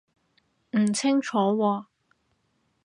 唔清楚喎